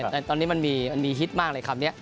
แต่ตอนนี้มันมีฮิตมากเลยคำนี้